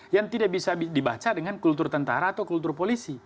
yang tidak bisa dibaca dengan kultur tentara atau kultur polisi